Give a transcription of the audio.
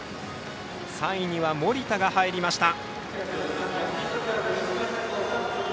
３位には森田が入りました。